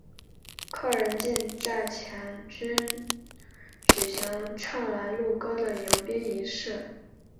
客人进寨前均举行唱拦路歌的迎宾仪式。